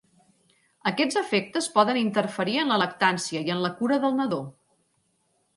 Aquests efectes poden interferir en la lactància i en la cura del nadó.